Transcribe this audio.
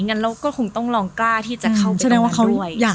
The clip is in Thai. งั้นเราก็คงต้องลองกล้าที่จะเข้าไปตรงนั้นด้วย